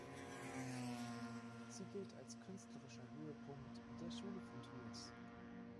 Sie gilt als künstlerischer Höhepunkt der Schule von Tours.